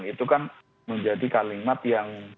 itu kan menjadi kalimat yang